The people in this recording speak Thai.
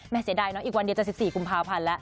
เสียดายเนาะอีกวันเดียวจะ๑๔กุมภาพันธ์แล้ว